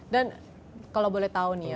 dan kalau boleh tahu nih ya